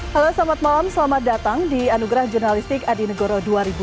halo selamat malam selamat datang di anugerah jurnalistik adi negoro dua ribu dua puluh